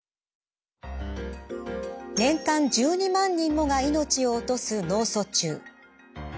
年間１２万人もが命を落とす脳卒中。